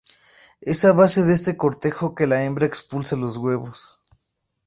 Es a base de este cortejo que la hembra expulsa los huevos.